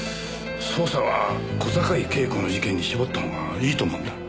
捜査は小坂井恵子の事件に絞ったほうがいいと思うんだ。